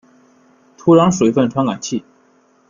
土壤水分传感器。